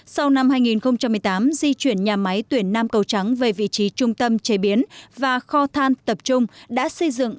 sau năm hai nghìn một mươi tám di chuyển nhà máy tuyển nam cầu trắng về vị trí trung tâm chế biến và kho than tập trung đã xây dựng